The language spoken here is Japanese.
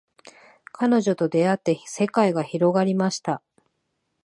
彼女と出会って世界が広がりました